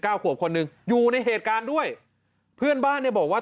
ขวบคนหนึ่งอยู่ในเหตุการณ์ด้วยเพื่อนบ้านเนี่ยบอกว่า